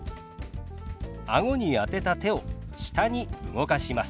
あごに当てた手を下に動かします。